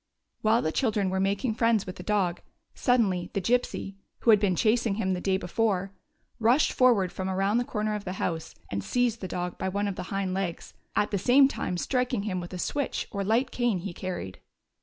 While the children were making friends with the dog, suddenly the Gypsy, who had been chasing him the day before, rushed forward from around the corner of the house and seized the dog by one of the hind legs, at the same time striking him with a switch or light cane he carried.